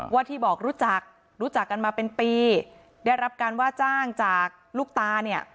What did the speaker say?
ว่าที่บอกรู้จักรู้จักกันมาเป็นปีได้รับการว่าจ้างจากลูกตาเนี่ย